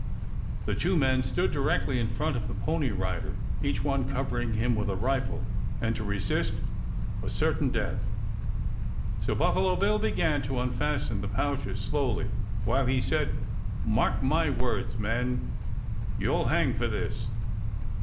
The two men stood directly in front of the pony rider, each one covering him with a rifle, and to resist was certain death. So Buffalo Bill began to unfasten the pouches slowly, while he said, "Mark my words, men, you'll hang for this."